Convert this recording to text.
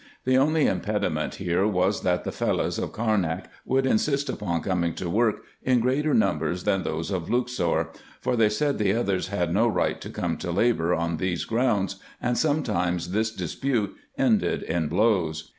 The only impediment here was that the Fellahs of Carnak would insist upon coming to work in greater numbers than those of Luxor ; for they said the others had no right to come to labour on these grounds, and sometimes this dispute ended in blows.